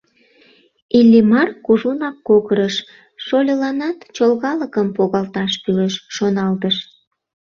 Иллимар кужунак кокырыш, шольыланат чолгалыкым погалташ кӱлеш, шоналтыш.